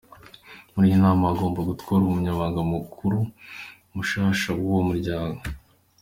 Muri iyi nama hagomba gutorwa umunyamabanga mukuru mushasha w'uwo muryango.